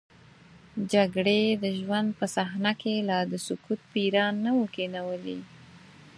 جګړې د ژوند په صحنه کې لا د سکوت پیریان نه وو کینولي.